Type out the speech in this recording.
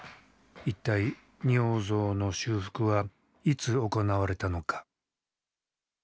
一体仁王像の修復はいつ行われたのか。